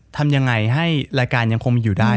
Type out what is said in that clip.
ทำยังไงให้รายการยังคงมีอยู่ได้